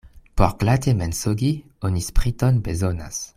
Por glate mensogi, oni spriton bezonas.